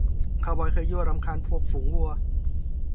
คาวบอยเคยยั่วรำคาญพวกฝูงวัว